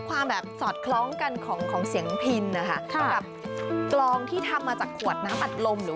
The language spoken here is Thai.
ความสอดคล้องกันของเสียงพินนะคะ